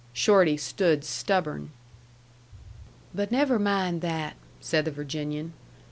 Shorty stood stubborn. "But never mind that," said the Virginian.